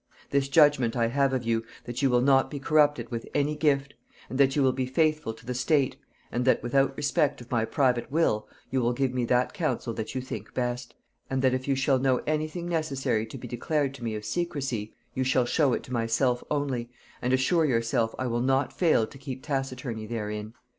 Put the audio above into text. This judgement I have of you, that you will not be corrupted with any gift, and that you will be faithful to the state, and that, without respect of my private will, you will give me that counsel that you think best: And that if you shall know any thing necessary to be declared to me of secrecy, you shall show it to myself only, and assure yourself I will not fail to keep taciturnity therein.